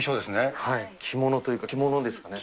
着物というか、着物ですかね。